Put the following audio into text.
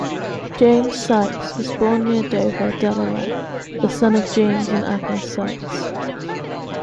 James Sykes was born near Dover, Delaware, the son of James and Agnes Sykes.